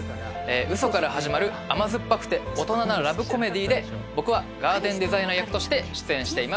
ウソから始まる甘酸っぱくて大人なラブコメディーで僕はガーデンデザイナー役として出演しています。